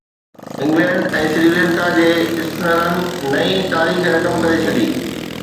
England ۽ Sri Lanka جي اسپنرن نئين تاريخ رقم ڪري ڇڏي